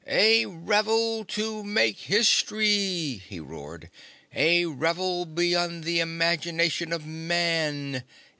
"A revel to make history!" he roared. "A revel beyond the imagination of man!